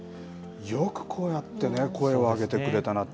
よくこうやってね、声を上げてくれたなって。